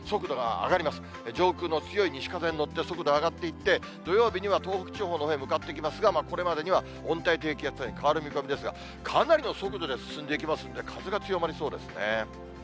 上空の強い西風に乗って、速度上がっていって、土曜日には東北地方のほうへ向かってきますが、これまでには温帯低気圧に変わる見込みですが、かなりの速度で進んでいきますんで、風が強まりそうですね。